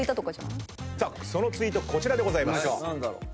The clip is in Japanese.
そのツイートこちらでございます。